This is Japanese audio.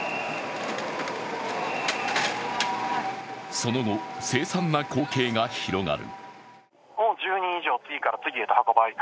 その後、凄惨な光景が広がる。